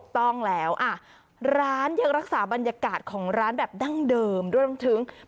ต้องแล้วร้านยังรักษาบรรยากาศของร้านแบบดั้งเดิมด้วยรวมถึง